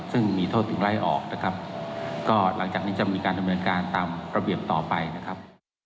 ซึ่งมีโทษถึงไล่ออกนะครับก็หลังจากนี้จะมีการดำเนินการตามระเบียบต่อไปนะครับ